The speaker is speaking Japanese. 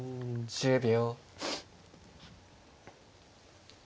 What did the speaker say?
１０秒。